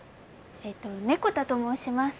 えと猫田と申します。